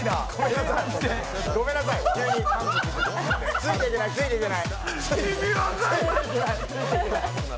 ついていけない、ついていけない。